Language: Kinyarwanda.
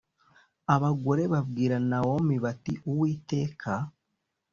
Abagore babwira Nawomi bati Uwiteka